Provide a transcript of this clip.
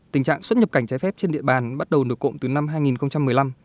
tình trạng xuất nhập cảnh trái phép trên địa bàn bắt đầu nửa cộng từ năm hai nghìn một mươi năm